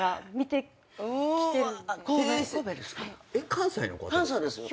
関西の方ですか？